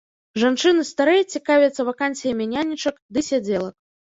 Жанчыны старэй цікавяцца вакансіямі нянечак ды сядзелак.